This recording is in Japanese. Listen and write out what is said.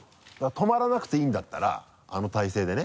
止まらなくていいんだったらあの体勢でね。